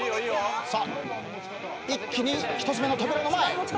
一気に１つ目の扉の前。